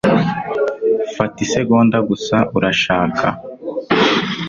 Fata isegonda gusa, urashaka?